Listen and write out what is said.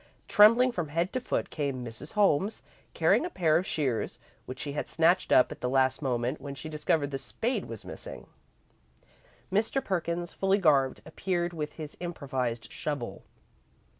Trembling from head to foot, came Mrs. Holmes, carrying a pair of shears, which she had snatched up at the last moment when she discovered the spade was missing. Mr. Perkins, fully garbed, appeared with his improvised shovel.